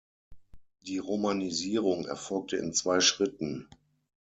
Die Romanisierung erfolgte in zwei Schritten.